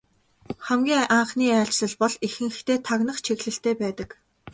Хамгийн анхны айлчлал бол ихэнхдээ тагнах чиглэлтэй байдаг.